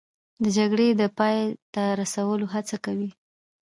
د جګړې د پای ته رسولو هڅه کوي